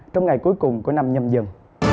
trong ngày cuối cùng của năm nhâm dần